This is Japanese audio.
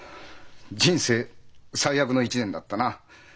人生最悪の一年だったな。